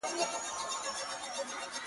زه د یویشتم قرن ښکلا ته مخامخ یم~